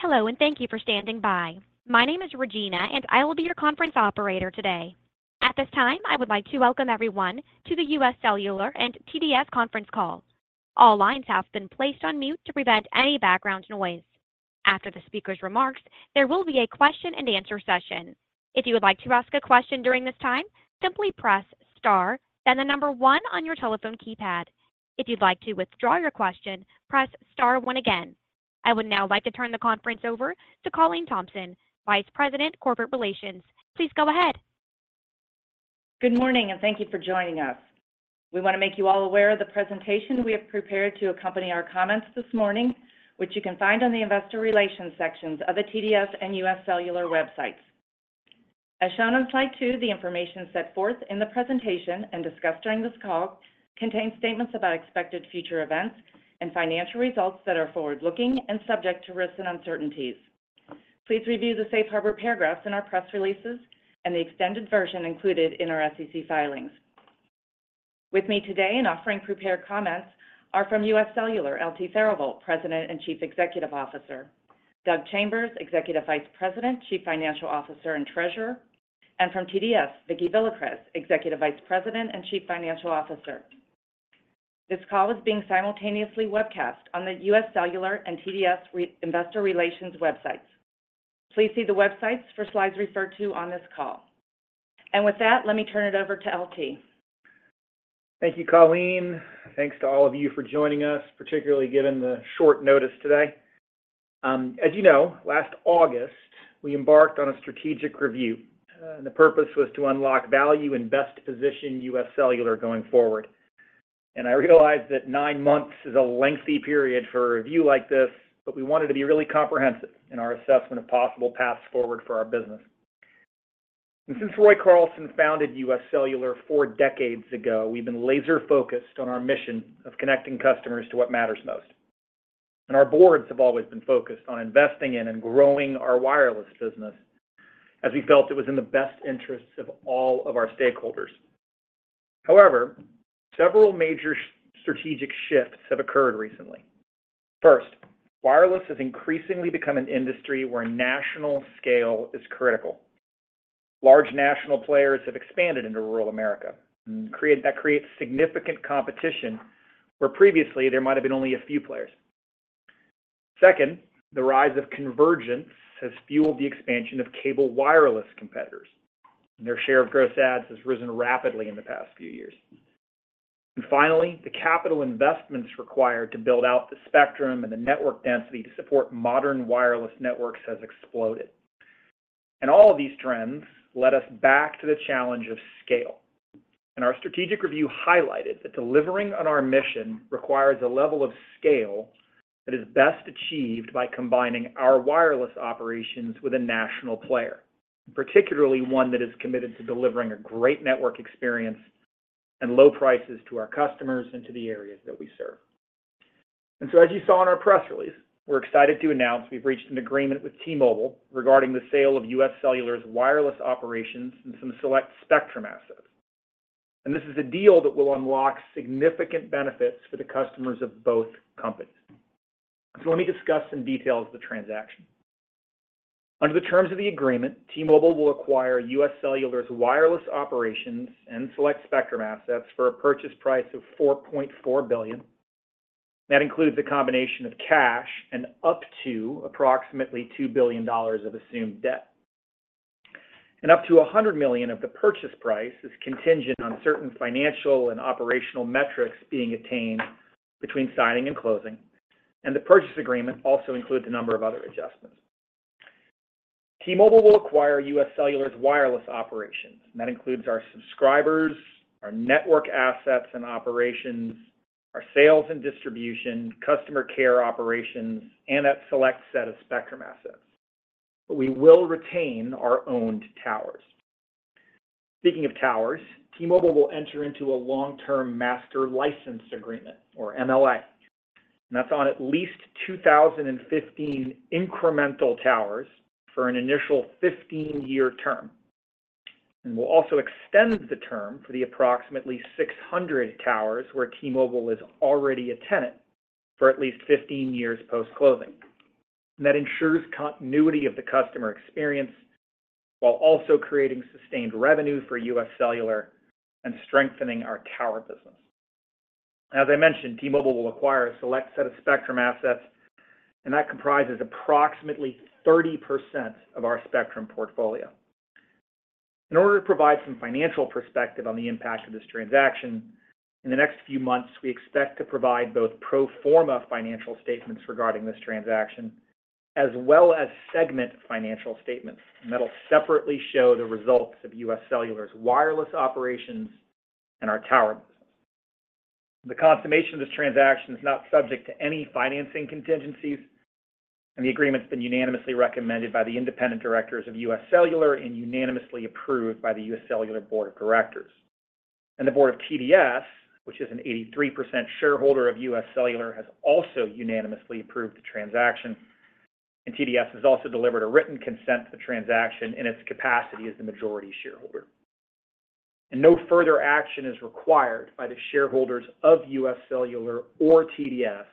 Hello, and thank you for standing by. My name is Regina, and I will be your conference operator today. At this time, I would like to welcome everyone to the UScellular and TDS conference call. All lines have been placed on mute to prevent any background noise. After the speaker's remarks, there will be a question-and-answer session. If you would like to ask a question during this time, simply press Star, then the number one on your telephone keypad. If you'd like to withdraw your question, press Star one again. I would now like to turn the conference over to Colleen Thompson, Vice President, Corporate Relations. Please go ahead. Good morning, and thank you for joining us. We want to make you all aware of the presentation we have prepared to accompany our comments this morning, which you can find on the Investor Relations sections of the TDS and UScellular websites. As shown on slide 2, the information set forth in the presentation and discussed during this call contains statements about expected future events and financial results that are forward-looking and subject to risks and uncertainties. Please review the safe harbor paragraphs in our press releases and the extended version included in our SEC filings. With me today and offering prepared comments are from UScellular, L.T. Therivel, President and Chief Executive Officer; Douglas Chambers, Executive Vice President, Chief Financial Officer, and Treasurer; and from TDS, Vicki Villacrez, Executive Vice President and Chief Financial Officer. This call is being simultaneously webcast on the UScellular and TDS Investor Relations websites. Please see the websites for slides referred to on this call. And with that, let me turn it over to L.T. Thank you, Colleen. Thanks to all of you for joining us, particularly given the short notice today. As you know, last August, we embarked on a strategic review, and the purpose was to unlock value and best position UScellular going forward. I realize that nine months is a lengthy period for a review like this, but we wanted to be really comprehensive in our assessment of possible paths forward for our business. Since Roy Carlson founded UScellular four decades ago, we've been laser-focused on our mission of connecting customers to what matters most. Our boards have always been focused on investing in and growing our wireless business as we felt it was in the best interests of all of our stakeholders. However, several major strategic shifts have occurred recently. First, wireless has increasingly become an industry where national scale is critical. Large national players have expanded into Rural America. That creates significant competition, where previously there might have been only a few players. Second, the rise of convergence has fueled the expansion of cable wireless competitors, and their share of gross adds has risen rapidly in the past few years. And finally, the capital investments required to build out the spectrum and the network density to support modern wireless networks has exploded. And all of these trends led us back to the challenge of scale. And our strategic review highlighted that delivering on our mission requires a level of scale that is best achieved by combining our wireless operations with a national player, particularly one that is committed to delivering a great network experience and low prices to our customers and to the areas that we serve. As you saw in our press release, we're excited to announce we've reached an agreement with T-Mobile regarding the sale of UScellular's wireless operations and some select spectrum assets. This is a deal that will unlock significant benefits for the customers of both companies. Let me discuss some details of the transaction. Under the terms of the agreement, T-Mobile will acquire UScellular's wireless operations and select spectrum assets for a purchase price of $4.4 billion. That includes a combination of cash and up to approximately $2 billion of assumed debt. Up to $100 million of the purchase price is contingent on certain financial and operational metrics being attained between signing and closing, and the purchase agreement also includes a number of other adjustments. T-Mobile will acquire UScellular's wireless operations, and that includes our subscribers, our network assets and operations, our sales and distribution, customer care operations, and that select set of spectrum assets. But we will retain our owned towers. Speaking of towers, T-Mobile will enter into a long-term master license agreement, or MLA, and that's on at least 2,015 incremental towers for an initial 15-year term. We'll also extend the term for the approximately 600 towers, where T-Mobile is already a tenant, for at least 15 years post-closing. That ensures continuity of the customer experience while also creating sustained revenue for UScellular and strengthening our tower business. As I mentioned, T-Mobile will acquire a select set of spectrum assets, and that comprises approximately 30% of our spectrum portfolio. In order to provide some financial perspective on the impact of this transaction, in the next few months, we expect to provide both pro forma financial statements regarding this transaction, as well as segment financial statements, and that'll separately show the results of UScellular's wireless operations and our tower business. The consummation of this transaction is not subject to any financing contingencies, and the agreement's been unanimously recommended by the independent directors of UScellular and unanimously approved by the UScellular Board of Directors. The board of TDS, which is an 83% shareholder of UScellular, has also unanimously approved the transaction, and TDS has also delivered a written consent to the transaction in its capacity as the majority shareholder, and no further action is required by the shareholders of UScellular or TDS,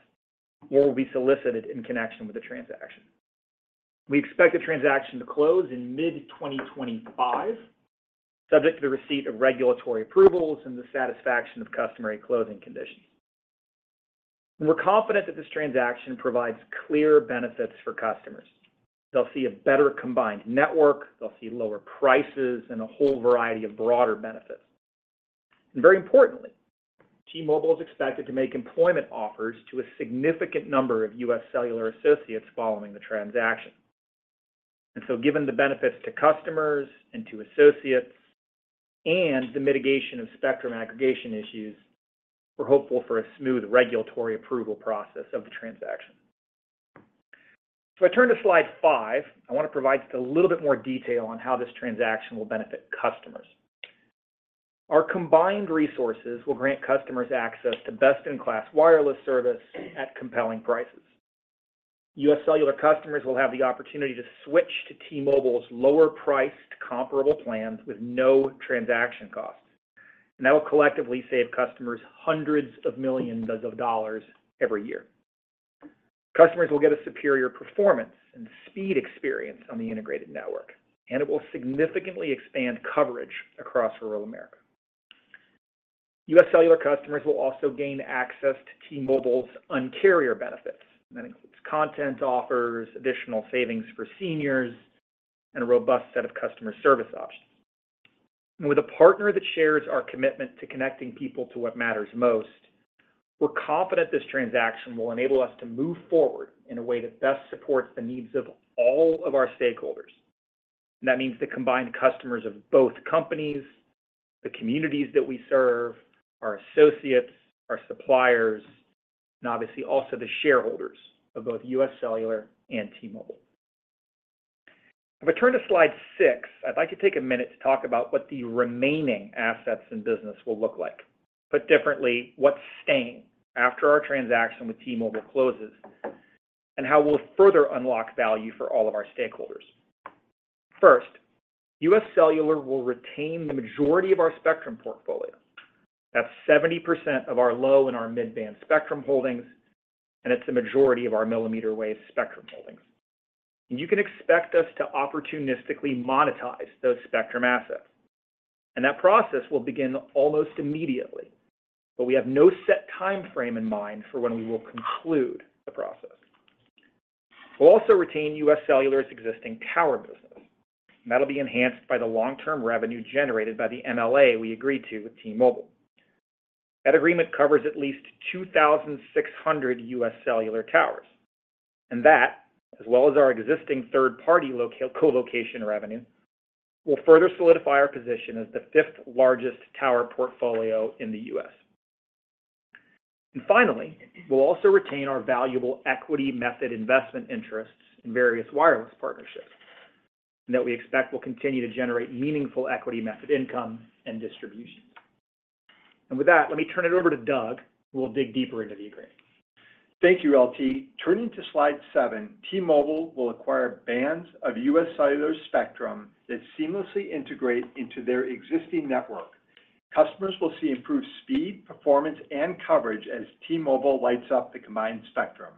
or will be solicited in connection with the transaction. We expect the transaction to close in mid-2025, subject to the receipt of regulatory approvals and the satisfaction of customary closing conditions. We're confident that this transaction provides clear benefits for customers. They'll see a better combined network, they'll see lower prices, and a whole variety of broader benefits. And very importantly, T-Mobile is expected to make employment offers to a significant number of UScellular associates following the transaction. And so, given the benefits to customers and to associates, and the mitigation of spectrum aggregation issues, we're hopeful for a smooth regulatory approval process of the transaction. If I turn to slide 5, I want to provide just a little bit more detail on how this transaction will benefit customers. Our combined resources will grant customers access to best-in-class wireless service at compelling prices. UScellular customers will have the opportunity to switch to T-Mobile's lower priced comparable plans with no transaction costs, and that will collectively save customers $hundreds of millions every year. Customers will get a superior performance and speed experience on the integrated network, and it will significantly expand coverage across rural America. UScellular customers will also gain access to T-Mobile's Un-carrier benefits. That includes content offers, additional savings for seniors, and a robust set of customer service options. With a partner that shares our commitment to connecting people to what matters most, we're confident this transaction will enable us to move forward in a way that best supports the needs of all of our stakeholders. That means the combined customers of both companies, the communities that we serve, our associates, our suppliers, and obviously also the shareholders of both UScellular and T-Mobile. If I turn to slide 6, I'd like to take a minute to talk about what the remaining assets and business will look like. Put differently, what's staying after our transaction with T-Mobile closes, and how we'll further unlock value for all of our stakeholders. First, UScellular will retain the majority of our spectrum portfolio. That's 70% of our low and our mid-band spectrum holdings, and it's the majority of our millimeter wave spectrum holdings. And you can expect us to opportunistically monetize those spectrum assets, and that process will begin almost immediately, but we have no set timeframe in mind for when we will conclude the process. We'll also retain UScellular's existing tower business, and that'll be enhanced by the long-term revenue generated by the MLA we agreed to with T-Mobile. That agreement covers at least 2,600 UScellular towers, and that, as well as our existing third-party local co-location revenue, will further solidify our position as the fifth largest tower portfolio in the U.S. And finally, we'll also retain our valuable equity method investment interests in various wireless partnerships, and that we expect will continue to generate meaningful equity method income and distributions. And with that, let me turn it over to Doug, who will dig deeper into the agreement. Thank you, LT. Turning to slide 7, T-Mobile will acquire bands of UScellular spectrum that seamlessly integrate into their existing network. Customers will see improved speed, performance, and coverage as T-Mobile lights up the combined spectrum.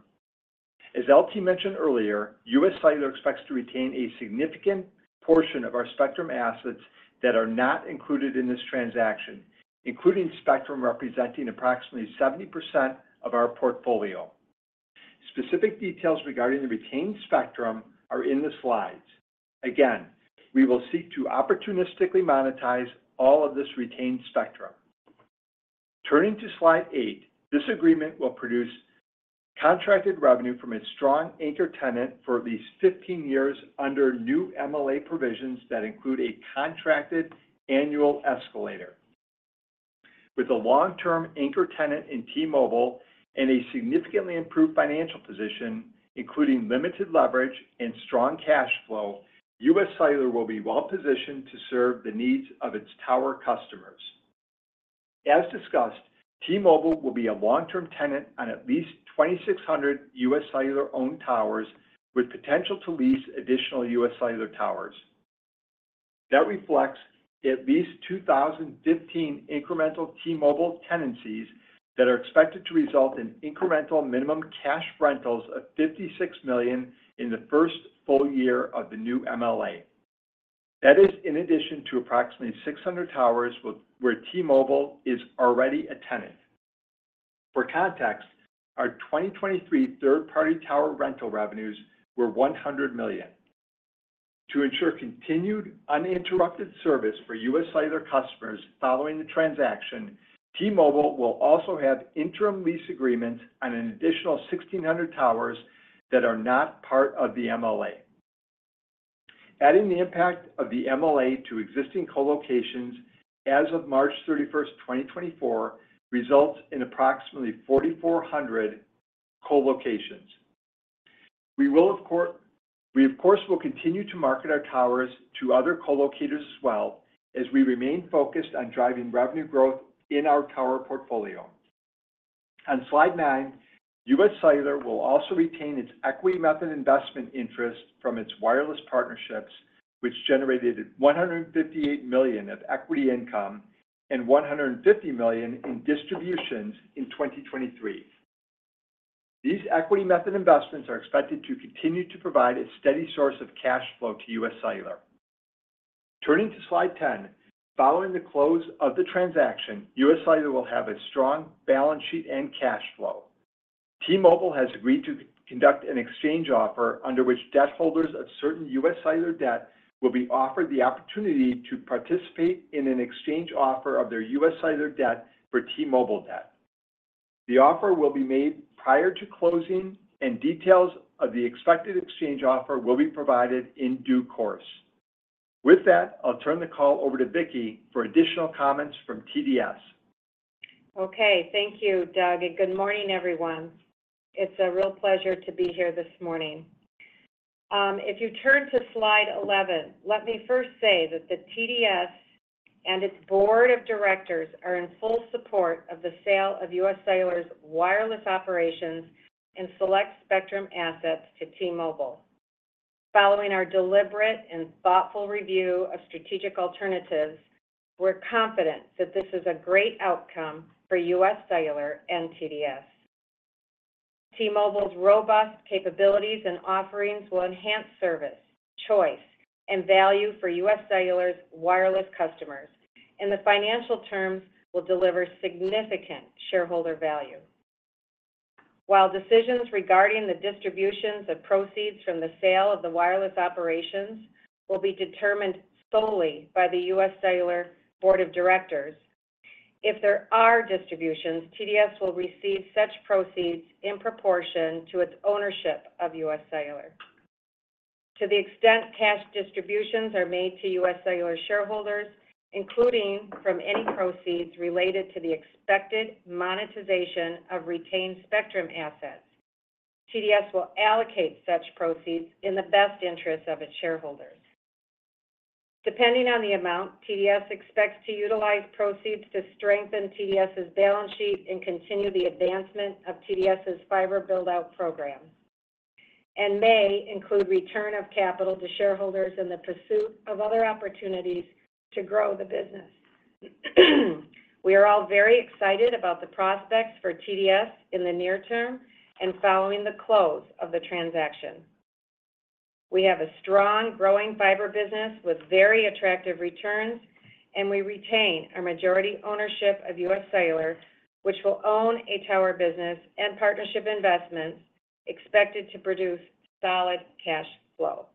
As LT mentioned earlier, UScellular expects to retain a significant portion of our spectrum assets that are not included in this transaction, including spectrum representing approximately 70% of our portfolio. Specific details regarding the retained spectrum are in the slides. Again, we will seek to opportunistically monetize all of this retained spectrum. Turning to slide 8, this agreement will produce contracted revenue from a strong anchor tenant for at least 15 years under new MLA provisions that include a contracted annual escalator. With a long-term anchor tenant in T-Mobile and a significantly improved financial position, including limited leverage and strong cash flow, UScellular will be well positioned to serve the needs of its tower customers. As discussed, T-Mobile will be a long-term tenant on at least 2,600 UScellular-owned towers, with potential to lease additional UScellular towers. That reflects at least 2,015 incremental T-Mobile tenancies that are expected to result in incremental minimum cash rentals of $56 million in the first full year of the new MLA. That is in addition to approximately 600 towers where T-Mobile is already a tenant. For context, our 2023 third-party tower rental revenues were $100 million. To ensure continued uninterrupted service for UScellular customers following the transaction, T-Mobile will also have interim lease agreements on an additional 1,600 towers that are not part of the MLA. Adding the impact of the MLA to existing co-locations as of March 31, 2024, results in approximately 4,400 co-locations. We, of course, will continue to market our towers to other co-locators as well, as we remain focused on driving revenue growth in our tower portfolio... On slide 9, UScellular will also retain its equity method investment interest from its wireless partnerships, which generated $158 million of equity income and $150 million in distributions in 2023. These equity method investments are expected to continue to provide a steady source of cash flow to UScellular. Turning to slide 10, following the close of the transaction, UScellular will have a strong balance sheet and cash flow. T-Mobile has agreed to conduct an exchange offer under which debt holders of certain UScellular debt will be offered the opportunity to participate in an exchange offer of their UScellular debt for T-Mobile debt. The offer will be made prior to closing, and details of the expected exchange offer will be provided in due course. With that, I'll turn the call over to Vicki for additional comments from TDS. Okay. Thank you, Doug, and good morning, everyone. It's a real pleasure to be here this morning. If you turn to slide 11, let me first say that the TDS and its board of directors are in full support of the sale of UScellular's wireless operations and select spectrum assets to T-Mobile. Following our deliberate and thoughtful review of strategic alternatives, we're confident that this is a great outcome for UScellular and TDS. T-Mobile's robust capabilities and offerings will enhance service, choice, and value for UScellular's wireless customers, and the financial terms will deliver significant shareholder value. While decisions regarding the distributions of proceeds from the sale of the wireless operations will be determined solely by the UScellular Board of Directors, if there are distributions, TDS will receive such proceeds in proportion to its ownership of UScellular. To the extent cash distributions are made to UScellular shareholders, including from any proceeds related to the expected monetization of retained spectrum assets, TDS will allocate such proceeds in the best interest of its shareholders. Depending on the amount, TDS expects to utilize proceeds to strengthen TDS's balance sheet and continue the advancement of TDS's fiber build-out program, and may include return of capital to shareholders in the pursuit of other opportunities to grow the business. We are all very excited about the prospects for TDS in the near term and following the close of the transaction. We have a strong, growing fiber business with very attractive returns, and we retain our majority ownership of UScellular, which will own a tower business and partnership investments expected to produce solid cash flow.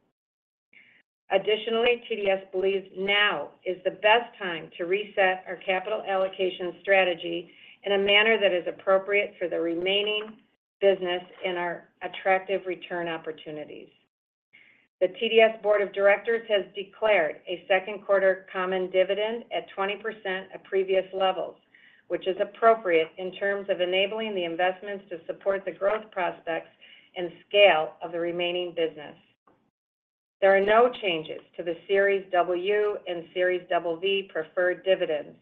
Additionally, TDS believes now is the best time to reset our capital allocation strategy in a manner that is appropriate for the remaining business and our attractive return opportunities. The TDS Board of Directors has declared a second quarter common dividend at 20% of previous levels, which is appropriate in terms of enabling the investments to support the growth prospects and scale of the remaining business. There are no changes to the Series UU and Series VV preferred dividends.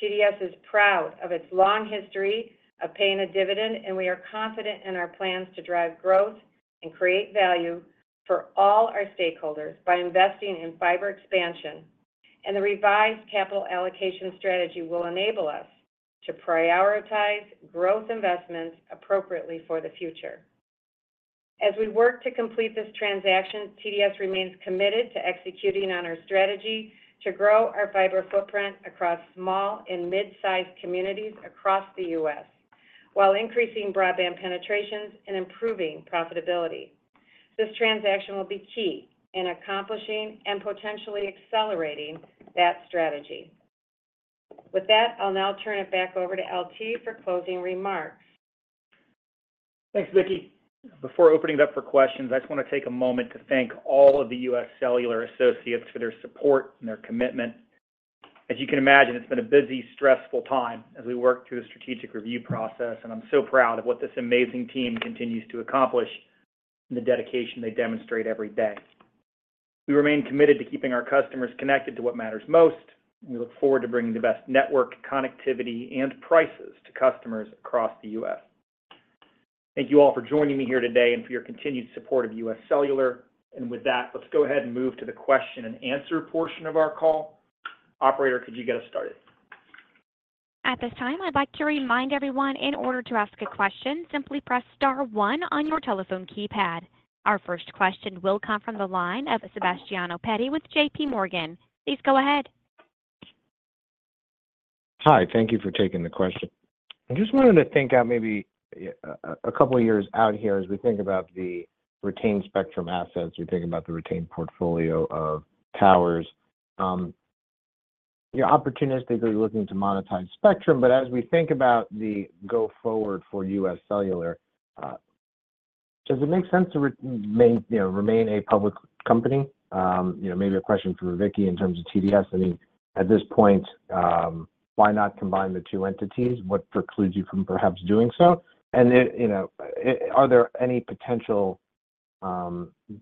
TDS is proud of its long history of paying a dividend, and we are confident in our plans to drive growth and create value for all our stakeholders by investing in fiber expansion. The revised capital allocation strategy will enable us to prioritize growth investments appropriately for the future. As we work to complete this transaction, TDS remains committed to executing on our strategy to grow our fiber footprint across small and mid-sized communities across the U.S., while increasing broadband penetrations and improving profitability. This transaction will be key in accomplishing and potentially accelerating that strategy. With that, I'll now turn it back over to L.T. for closing remarks. Thanks, Vicki. Before opening it up for questions, I just want to take a moment to thank all of the UScellular associates for their support and their commitment. As you can imagine, it's been a busy, stressful time as we work through the strategic review process, and I'm so proud of what this amazing team continues to accomplish and the dedication they demonstrate every day. We remain committed to keeping our customers connected to what matters most. We look forward to bringing the best network, connectivity, and prices to customers across the US. Thank you all for joining me here today and for your continued support of US Cellular. And with that, let's go ahead and move to the question and answer portion of our call. Operator, could you get us started? At this time, I'd like to remind everyone, in order to ask a question, simply press star one on your telephone keypad. Our first question will come from the line of Sebastiano Petti with J.P. Morgan. Please go ahead. Hi. Thank you for taking the question. I just wanted to think out maybe a couple of years out here as we think about the retained spectrum assets, we think about the retained portfolio of towers. You're opportunistically looking to monetize spectrum, but as we think about the go forward for UScellular, does it make sense to remain, you know, remain a public company? You know, maybe a question for Vicki in terms of TDS. I mean, at this point, why not combine the two entities? What precludes you from perhaps doing so? And, you know, are there any potential-...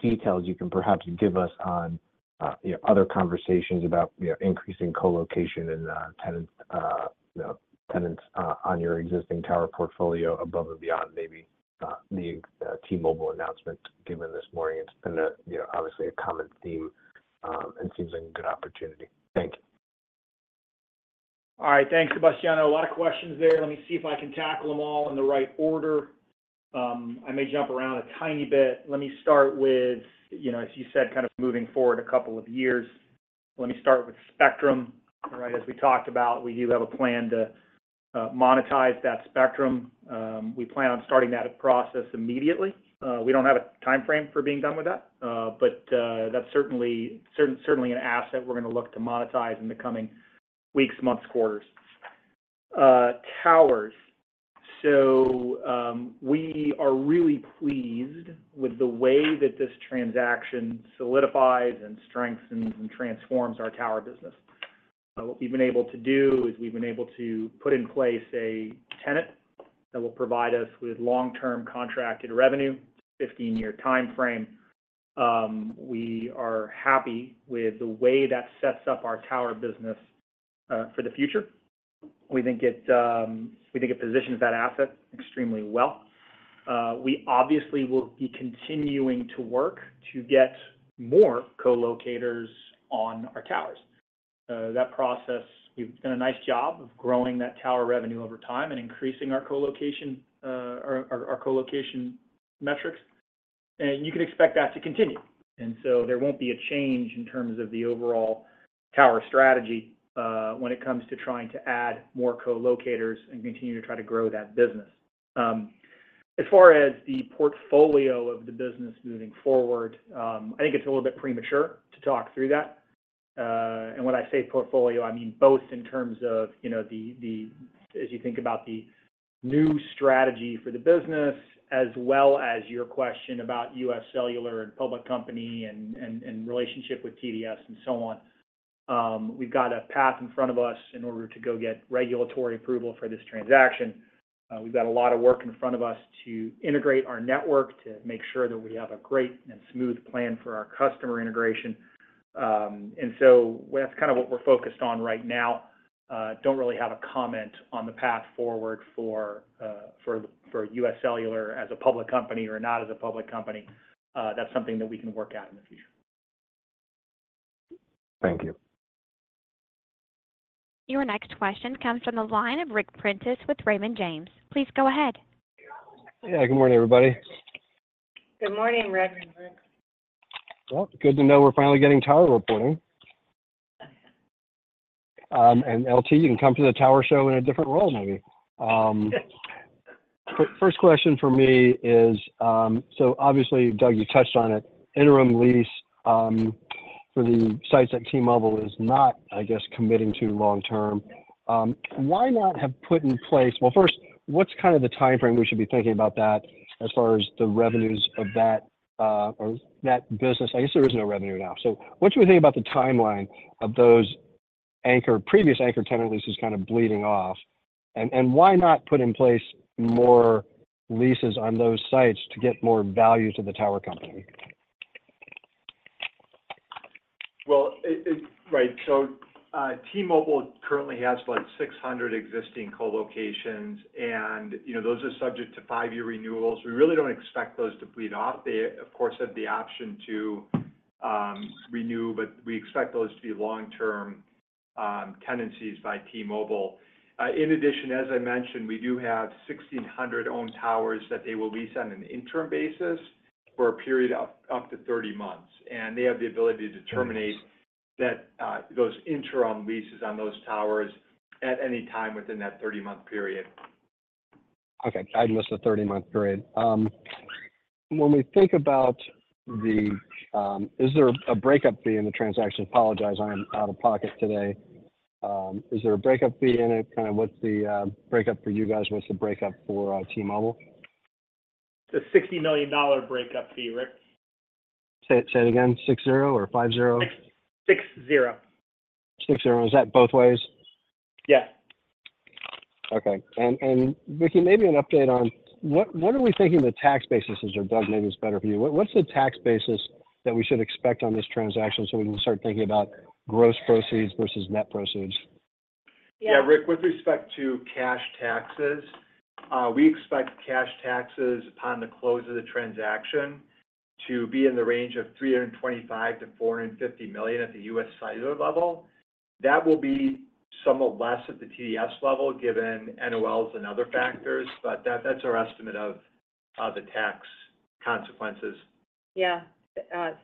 Details you can perhaps give us on, you know, other conversations about, you know, increasing co-location and tenants, you know, tenants on your existing tower portfolio above and beyond maybe the T-Mobile announcement given this morning? It's been a, you know, obviously a common theme and seems like a good opportunity. Thank you. All right. Thanks, Sebastiano. A lot of questions there. Let me see if I can tackle them all in the right order. I may jump around a tiny bit. Let me start with, you know, as you said, kind of moving forward a couple of years, let me start with spectrum. Right? As we talked about, we do have a plan to monetize that spectrum. We plan on starting that process immediately. We don't have a timeframe for being done with that, but that's certainly an asset we're gonna look to monetize in the coming weeks, months, quarters. Towers. So, we are really pleased with the way that this transaction solidifies and strengthens and transforms our tower business. What we've been able to do is we've been able to put in place a tenant that will provide us with long-term contracted revenue, 15-year timeframe. We are happy with the way that sets up our tower business for the future. We think it, we think it positions that asset extremely well. We obviously will be continuing to work to get more co-locators on our towers. That process, we've done a nice job of growing that tower revenue over time and increasing our co-location metrics, and you can expect that to continue. And so there won't be a change in terms of the overall tower strategy when it comes to trying to add more co-locators and continue to try to grow that business. As far as the portfolio of the business moving forward, I think it's a little bit premature to talk through that. And when I say portfolio, I mean both in terms of, you know, the as you think about the new strategy for the business, as well as your question about UScellular, and public company, and relationship with TDS, and so on. We've got a path in front of us in order to go get regulatory approval for this transaction. We've got a lot of work in front of us to integrate our network, to make sure that we have a great and smooth plan for our customer integration. And so that's kind of what we're focused on right now. Don't really have a comment on the path forward for UScellular as a public company or not as a public company. That's something that we can work out in the future. Thank you. Your next question comes from the line of Ric Prentiss with Raymond James. Please go ahead. Yeah. Good morning, everybody. Good morning, Rick. Well, good to know we're finally getting tower reporting. And, LT, you can come to the tower show in a different role maybe. First question for me is, so obviously, Doug, you touched on it, interim lease for the sites that T-Mobile is not, I guess, committing to long-term. Why not have put in place... Well, first, what's kind of the timeframe we should be thinking about that, as far as the revenues of that, or that business? I guess there is no revenue now. So what do you think about the timeline of those anchor, previous anchor tenant leases kind of bleeding off? And, why not put in place more leases on those sites to get more value to the tower company? T-Mobile currently has, like, 600 existing co-locations, and, you know, those are subject to five-year renewals. We really don't expect those to bleed off. They, of course, have the option to renew, but we expect those to be long-term tenancies by T-Mobile. In addition, as I mentioned, we do have 1,600 owned towers that they will lease on an interim basis for a period up to 30 months, and they have the ability to terminate those interim leases on those towers at any time within that 30-month period. Okay. I missed the 30-month period. When we think about the... Is there a breakup fee in the transaction? I apologize, I am out of pocket today. Is there a breakup fee in it? Kind of what's the breakup for you guys? What's the breakup for T-Mobile? It's a $60 million breakup fee, Rick. Say it, say it again. 60 or 50? 60. 60. Is that both ways? Yeah. Okay. And, Vicki, maybe an update on what are we thinking the tax basis is, or Doug, maybe it's better for you. What's the tax basis that we should expect on this transaction so we can start thinking about gross proceeds versus net proceeds? Yeah- Yeah, Rick, with respect to cash taxes, we expect cash taxes upon the close of the transaction to be in the range of $325 million-$450 million at the UScellular level. That will be somewhat less at the TDS level, given NOLs and other factors, but that, that's our estimate of the tax consequences. Yeah.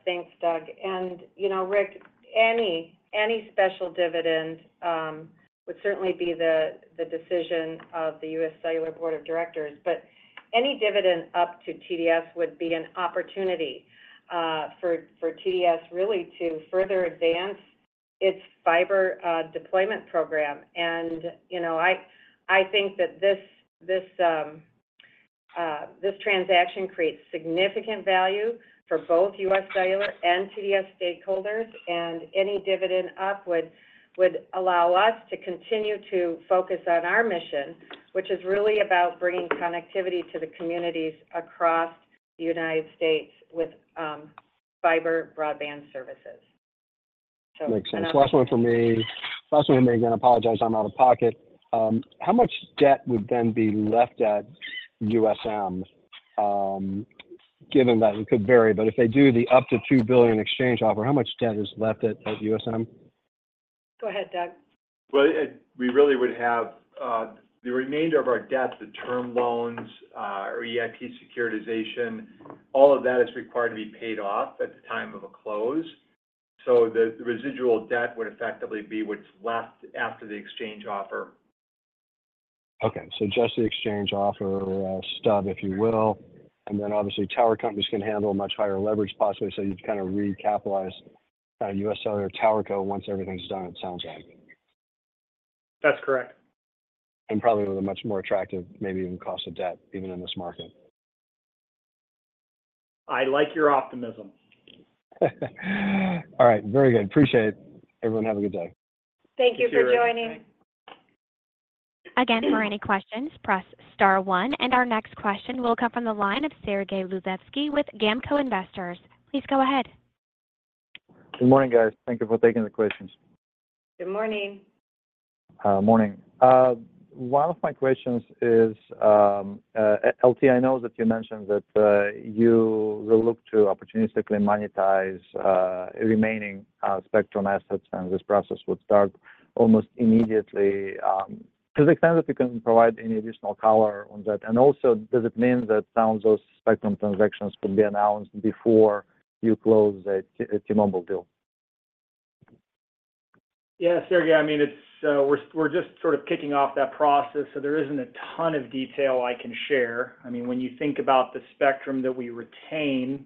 Thanks, Doug. And, you know, Rick, any special dividend would certainly be the decision of the UScellular Board of Directors, but any dividend up to TDS would be an opportunity for TDS really to further advance its fiber deployment program. And, you know, I think that this transaction creates significant value for both UScellular and TDS stakeholders, and any dividend up would allow us to continue to focus on our mission, which is really about bringing connectivity to the communities across the United States with fiber broadband services.... Makes sense. Last one for me. Last one, and again, I apologize, I'm out of pocket. How much debt would then be left at USM, given that it could vary, but if they do the up to $2 billion exchange offer, how much debt is left at USM? Go ahead, Doug. Well, we really would have the remainder of our debt, the term loans, our EIP securitization, all of that is required to be paid off at the time of a close. So the residual debt would effectively be what's left after the exchange offer. Okay. Just the exchange offer, stub, if you will, and then obviously, tower companies can handle much higher leverage possibly, so you've kind of recapitalized, UScellular tower co once everything's done, it sounds like. That's correct. Probably with a much more attractive, maybe even cost of debt, even in this market. I like your optimism. All right, very good. Appreciate it. Everyone, have a good day. Thank you for joining. Again, for any questions, press star one, and our next question will come from the line of Sergey Dluzhevskiy with GAMCO Investors. Please go ahead. Good morning, guys. Thank you for taking the questions. Good morning. Morning. One of my questions is, L.T., I know that you mentioned that you will look to opportunistically monetize remaining spectrum assets, and this process would start almost immediately. To the extent that you can provide any additional color on that. And also, does it mean that some of those spectrum transactions could be announced before you close the T-Mobile deal? Yeah, Sergey, I mean, it's, we're just sort of kicking off that process, so there isn't a ton of detail I can share. I mean, when you think about the spectrum that we retain,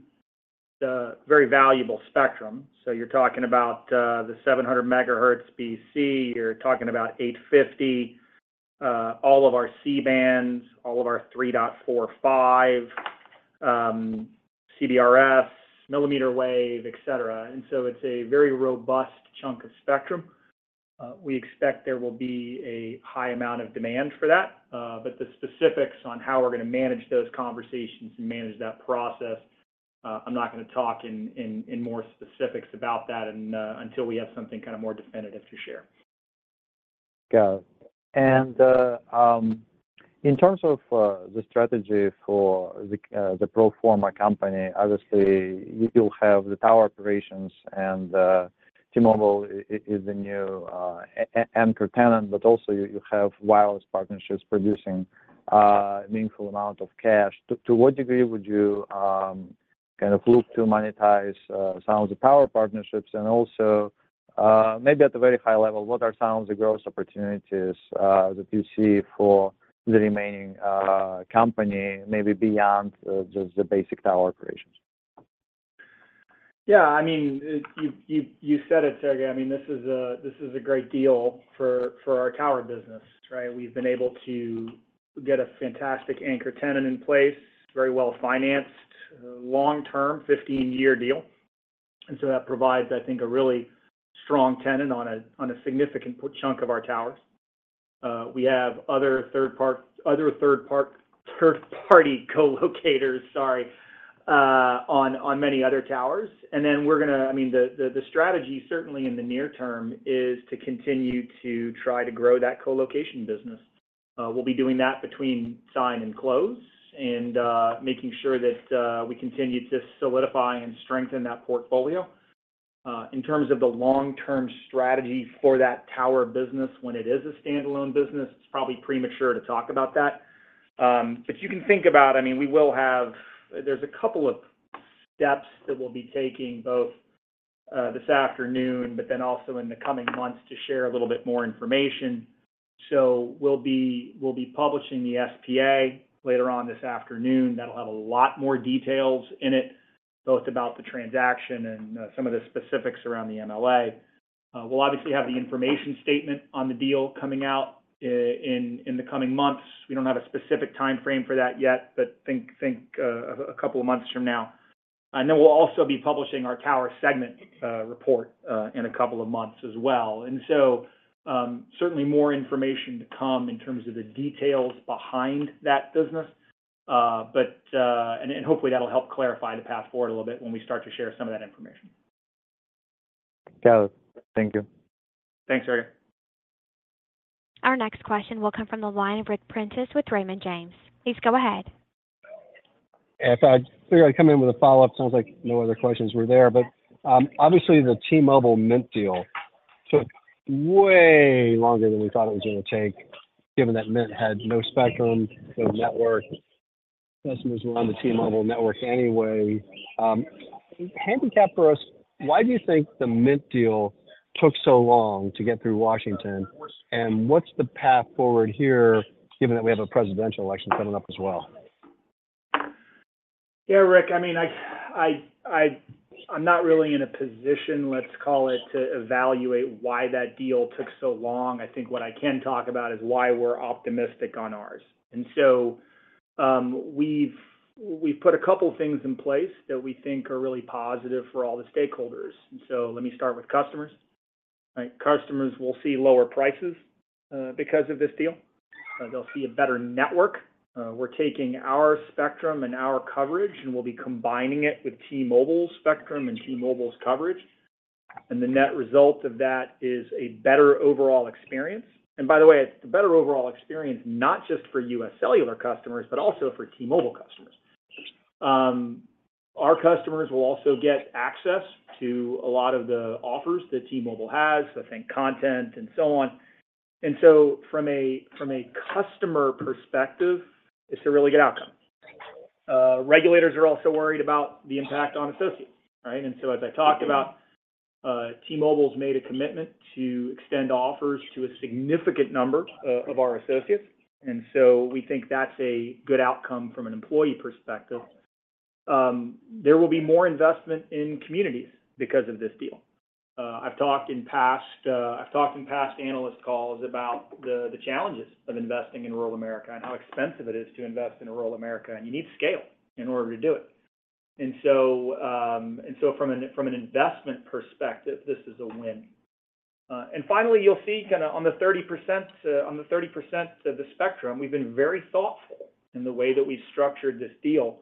the very valuable spectrum, so you're talking about the 700 megahertz BC, you're talking about 850, all of our C-bands, all of our 3.45, CBRS, millimeter wave, et cetera. And so it's a very robust chunk of spectrum. We expect there will be a high amount of demand for that, but the specifics on how we're gonna manage those conversations and manage that process, I'm not gonna talk in more specifics about that and until we have something kind of more definitive to share. Got it. In terms of the strategy for the pro forma company, obviously, you still have the tower operations and T-Mobile is the new anchor tenant, but also you have wireless partnerships producing a meaningful amount of cash. To what degree would you kind of look to monetize some of the tower partnerships? And also, maybe at a very high level, what are some of the growth opportunities that you see for the remaining company, maybe beyond the basic tower operations? Yeah, I mean, you, you, you said it, Sergei. I mean, this is a, this is a great deal for, for our tower business, right? We've been able to get a fantastic anchor tenant in place, very well-financed, long-term, 15-year deal. And so that provides, I think, a really strong tenant on a, on a significant chunk of our towers. We have other third-party co-locators, sorry, on many other towers. And then we're gonna I mean, the, the, the strategy, certainly in the near term, is to continue to try to grow that co-location business. We'll be doing that between sign and close, and making sure that we continue to solidify and strengthen that portfolio. In terms of the long-term strategy for that tower business when it is a standalone business, it's probably premature to talk about that. But you can think about, I mean, we will have... There's a couple of steps that we'll be taking, both this afternoon, but then also in the coming months to share a little bit more information. So we'll be publishing the SPA later on this afternoon. That'll have a lot more details in it, both about the transaction and some of the specifics around the MLA. We'll obviously have the Information Statement on the deal coming out in the coming months. We don't have a specific time frame for that yet, but think a couple of months from now. And then we'll also be publishing our tower segment report in a couple of months as well. And so, certainly more information to come in terms of the details behind that business. Hopefully, that'll help clarify the path forward a little bit when we start to share some of that information. Got it. Thank you. Thanks, Sergei. Our next question will come from the line of Ric Prentiss with Raymond James. Please go ahead. Yeah, so I figured I'd come in with a follow-up. Sounds like no other questions were there. But, obviously, the T-Mobile Mint deal took way longer than we thought it was gonna take, given that Mint had no spectrum, no network, customers were on the T-Mobile network anyway. Handicap for us, why do you think the Mint deal took so long to get through Washington? And what's the path forward here, given that we have a presidential election coming up as well? Yeah, Rick, I mean, I'm not really in a position, let's call it, to evaluate why that deal took so long. I think what I can talk about is why we're optimistic on ours. And so, we've put a couple of things in place that we think are really positive for all the stakeholders. And so let me start with customers. Right, customers will see lower prices, because of this deal. They'll see a better network. We're taking our spectrum and our coverage, and we'll be combining it with T-Mobile's spectrum and T-Mobile's coverage. And the net result of that is a better overall experience. And by the way, it's a better overall experience, not just for UScellular customers, but also for T-Mobile customers. Our customers will also get access to a lot of the offers that T-Mobile has, so think content and so on. And so from a customer perspective, it's a really good outcome. Regulators are also worried about the impact on associates, right? And so as I talked about, T-Mobile's made a commitment to extend offers to a significant number of our associates, and so we think that's a good outcome from an employee perspective. There will be more investment in communities because of this deal. I've talked in past analyst calls about the challenges of investing in rural America and how expensive it is to invest in rural America, and you need scale in order to do it. And so from an investment perspective, this is a win. And finally, you'll see kinda on the 30%, on the 30% of the spectrum, we've been very thoughtful in the way that we've structured this deal,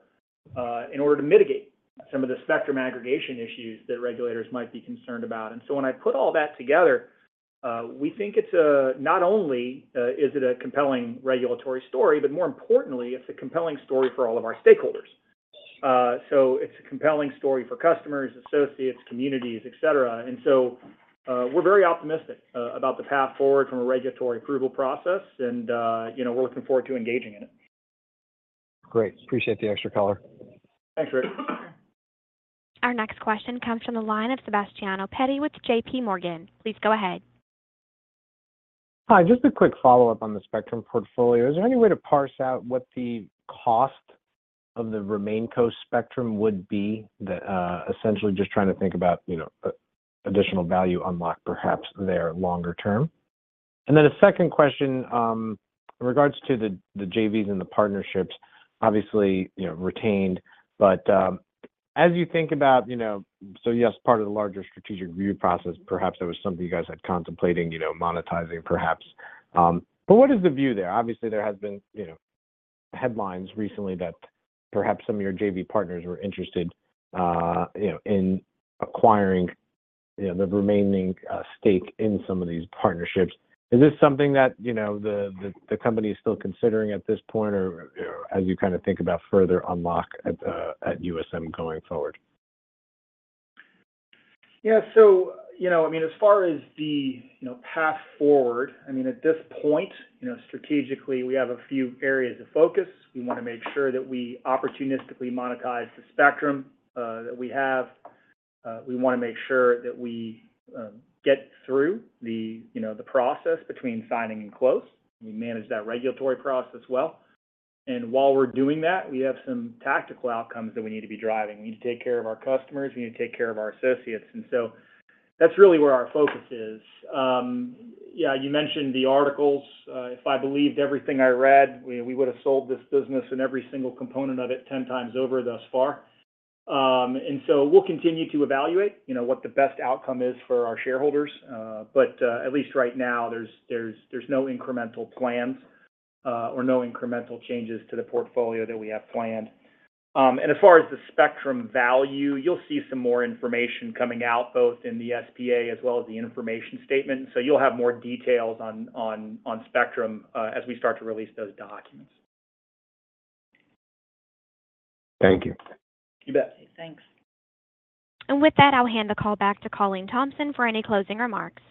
in order to mitigate some of the spectrum aggregation issues that regulators might be concerned about. And so when I put all that together, we think it's a... not only, is it a compelling regulatory story, but more importantly, it's a compelling story for all of our stakeholders. So it's a compelling story for customers, associates, communities, et cetera. And so, we're very optimistic, about the path forward from a regulatory approval process, and, you know, we're looking forward to engaging in it. Great. Appreciate the extra color. Thanks, Rick. Our next question comes from the line of Sebastiano Petti with J.P. Morgan. Please go ahead. Hi, just a quick follow-up on the spectrum portfolio. Is there any way to parse out what the cost of the remaining C-band spectrum would be? Essentially just trying to think about, you know, additional value unlock perhaps there longer term. And then a second question, in regards to the JVs and the partnerships, obviously, you know, retained, but as you think about, you know, so yes, part of the larger strategic review process, perhaps there was something you guys had contemplating, you know, monetizing perhaps. But what is the view there? Obviously, there has been, you know, headlines recently that perhaps some of your JV partners were interested, you know, in acquiring, you know, the remaining stake in some of these partnerships. Is this something that, you know, the company is still considering at this point, or, you know, as you kind of think about further unlock at USM going forward? Yeah. So, you know, I mean, as far as the path forward, I mean, at this point, you know, strategically, we have a few areas of focus. We want to make sure that we opportunistically monetize the spectrum that we have. We want to make sure that we get through the process between signing and close. We manage that regulatory process well. And while we're doing that, we have some tactical outcomes that we need to be driving. We need to take care of our customers, we need to take care of our associates, and so that's really where our focus is. Yeah, you mentioned the articles. If I believed everything I read, we would have sold this business and every single component of it 10 times over thus far. So we'll continue to evaluate, you know, what the best outcome is for our shareholders. But at least right now, there's no incremental plans or no incremental changes to the portfolio that we have planned. As far as the spectrum value, you'll see some more information coming out, both in the SPA as well as the information statement. So you'll have more details on spectrum as we start to release those documents. Thank you. You bet. Thanks. With that, I'll hand the call back to Colleen Thompson for any closing remarks.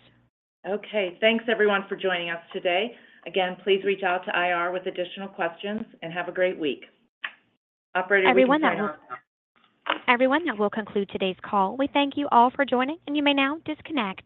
Okay. Thanks, everyone, for joining us today. Again, please reach out to IR with additional questions, and have a great week. Operator, would you hang up? Everyone, that will conclude today's call. We thank you all for joining, and you may now disconnect.